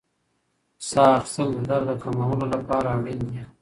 ساه اخیستل د درد د کمولو لپاره اړین دي.